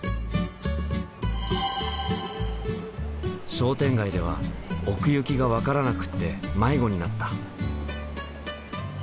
商店街では奥行きが分からなくって迷子になった。